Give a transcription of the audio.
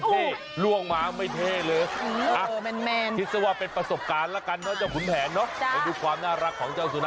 เธอเรียกว่าหมาแมนด๊อกหรอ